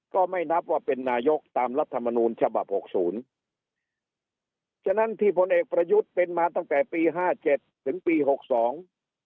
ก็ไม่นับว่าเป็นนายกตามรัฐมนูลฉบับหกศูนย์ฉะนั้นที่พลเอกประยุทธ์เป็นมาตั้งแต่ปีห้าเจ็ดถึงปีหกสอง